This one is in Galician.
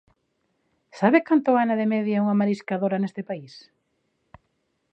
¿Sabe canto gana de media unha mariscadora neste país?